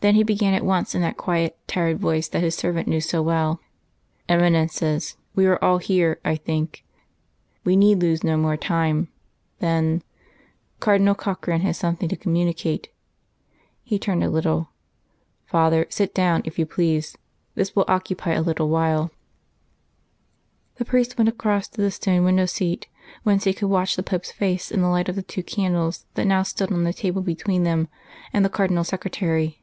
Then He began at once in that quiet tired voice that his servant knew so well. "Eminences we are all here, I think. We need lose no more time, then.... Cardinal Corkran has something to communicate " He turned a little. "Father, sit down, if you please. This will occupy a little while." The priest went across to the stone window seat, whence he could watch the Pope's face in the light of the two candles that now stood on the table between him and the Cardinal Secretary.